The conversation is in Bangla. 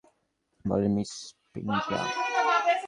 বলেন মিস ব্রিগাঞ্জা।